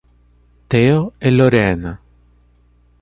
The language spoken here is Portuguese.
Theo e Lorena